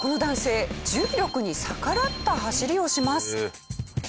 重力に逆らった走りをします。